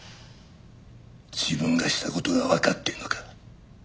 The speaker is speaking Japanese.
自分がした事がわかってんのか？